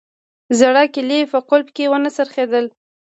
زړه کیلي په قلف کې ونه څرخیدل